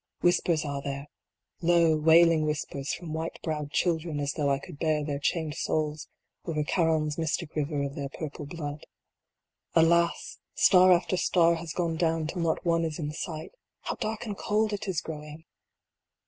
Whispers are there low, wailing whispers from white browed children as though I could bear their chained souls o er Charon s mystic river of their purple blood. Alas ! star after star has gone down till not one is in sight How dark and cold it is growing